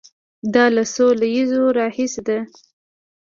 دا له څو لسیزو راهیسې ده.